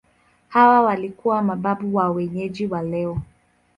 Hawa walikuwa mababu wa wenyeji wa leo.